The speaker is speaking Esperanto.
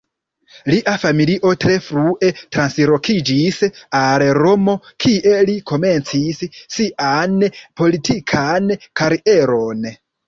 Lia familio tre frue translokiĝis al Romo, kie li komencis sian politikan karieron.